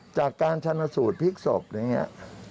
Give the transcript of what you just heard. จากการชนะสูตรพลิกศพอย่างนี้